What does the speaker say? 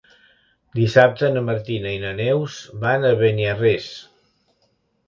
Dissabte na Martina i na Neus van a Beniarrés.